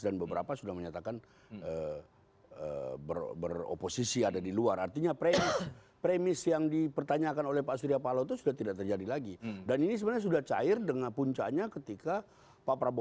dan beberapa sudah menyatakan eh beroposisi ada di luar artinya presi premis yang dipertanyakan oleh pak suriapalohu itu sudah menjadi posisi artinya semula itu tadi kan pak iah momentnya seandainya kalau ini dia months seluas jadi pilihkan yang ini ini berkomunikasi saya akan asked facial